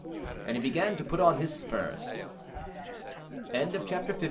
And he began to put on his spurs. CHAPTER LI.